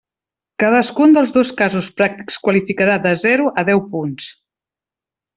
Cadascun dels dos casos pràctics qualificarà de zero a deu punts.